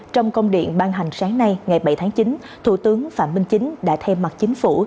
trong công điện ban hành sáng nay ngày bảy tháng chín thủ tướng phạm minh chính đã thay mặt chính phủ